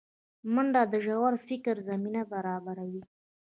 منډه د ژور فکر زمینه برابروي